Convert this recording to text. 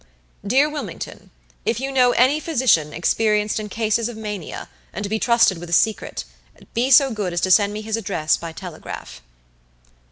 "DEAR WILMINGTONIf you know any physician experienced in cases of mania, and to be trusted with a secret, be so good as to send me his address by telegraph."